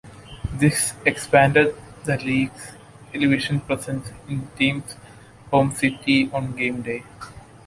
This expanded the league's television presence in teams' home cities on gameday.